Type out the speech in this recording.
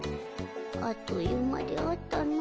あっという間であったの。